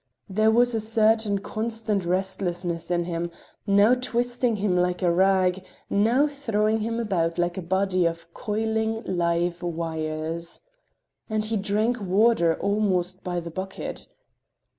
There was a certain constant restlessness in him, now twisting him like a rag, now throwing him about like a body of coiling live wires. And he drank water almost by the bucket.